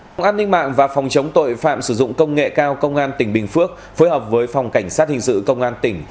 công an ninh mạng và phòng chống tội phạm sử dụng công nghệ cao công an tỉnh bình phước phối hợp với phòng cảnh sát hình sự công an tỉnh